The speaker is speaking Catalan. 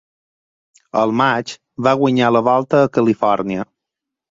Al maig va guanyar la Volta a Califòrnia.